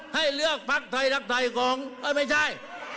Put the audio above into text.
ให้เลือกภักดิ์ไทยรักไทยของไม่ใช่